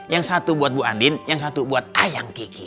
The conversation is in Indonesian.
yang satu buat bu andin yang satu buat ayam kiki